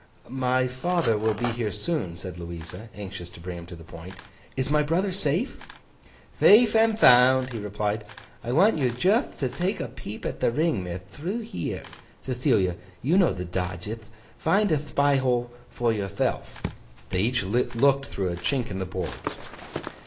'My father will be here soon,' said Louisa, anxious to bring him to the point. 'Is my brother safe?' 'Thafe and thound!' he replied. 'I want you jutht to take a peep at the Ring, mith, through here. Thethilia, you know the dodgeth; find a thpy hole for yourthelf.' They each looked through a chink in the boards.